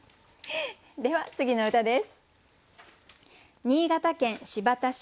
では次の歌です。